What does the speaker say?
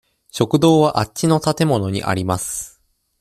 食堂はあっちの建物にあります。